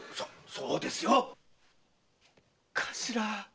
そうですよ。頭！